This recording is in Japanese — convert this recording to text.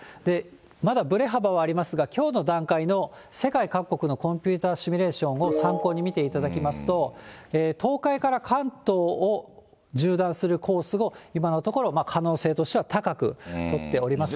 まだぶれ幅はありますが、きょうの段階の世界各国のコンピューターシミュレーションを参考に見ていただきますと、東海から関東を縦断するコースが、今のところ可能性としては高く取っておりますが。